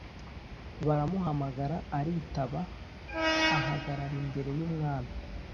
Baramuhamagara aritaba, ahagarara imbere y’umwami.